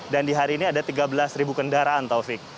dan di hari ini ada tiga belas kendaraan taufik